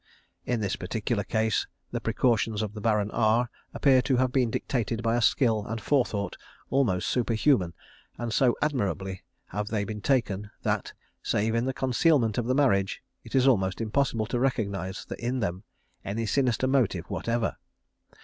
In this particular case the precautions of the Baron R appear to have been dictated by a skill and forethought almost superhuman, and so admirably have they been taken, that, save in the concealment of the marriage, it is almost impossible to recognise in them any sinister motive whatever.